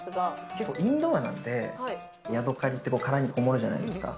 結構、インドアなんで、ヤドカリって殻にこもるじゃないですか。